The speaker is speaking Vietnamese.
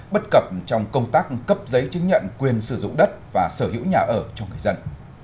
bất cập trong công tác cấp giấy chứng nhận quyền sử dụng đất và sở hữu nhà ở cho người dân